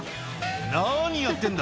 何やってんだ。